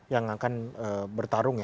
yang akan bertarung